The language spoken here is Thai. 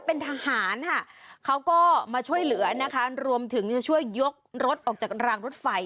เป็นทหารค่ะเขาก็มาช่วยเหลือนะคะรวมถึงจะช่วยยกรถออกจากรางรถไฟ